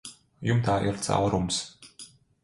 Jumtā ir caurums.